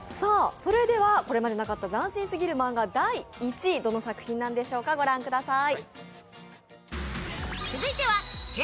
これまでなかった斬新すぎる漫画第１位、どの作品なんでしょうか、御覧ください。